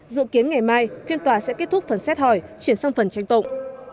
dự kiến ngày mai phiên tòa sẽ kết thúc phần xét hỏi chuyển sang phần tranh tụng